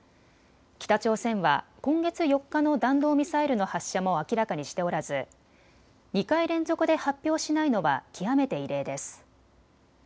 北朝鮮は今月４日の弾道ミサイルの発射も明らかにしておらず２回連続で発表しないのは極めて異例です。